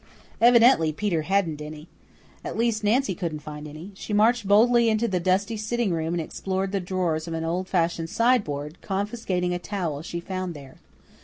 Evidently Peter hadn't any. At least, Nancy couldn't find any. She marched boldly into the dusty sitting room and explored the drawers of an old fashioned sideboard, confiscating a towel she found there.